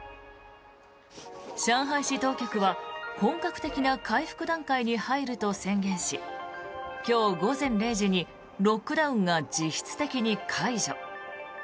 上海市当局は本格的な回復段階に入ると宣言し今日午前０時にロックダウンが実質的に解除。